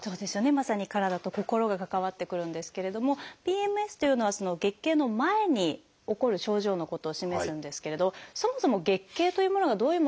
まさに体と心が関わってくるんですけれどもＰＭＳというのは月経の前に起こる症状のことを示すんですけれどそもそも月経というものがどういうものなのか